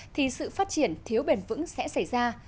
thì sự phát triển thiếu bền vững sẽ xảy ra